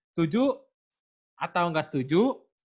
setuju atau enggak setuju